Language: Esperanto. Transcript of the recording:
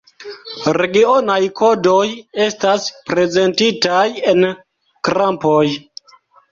Regionaj kodoj estas prezentitaj en krampoj.